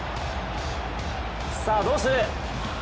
さあ、どうする？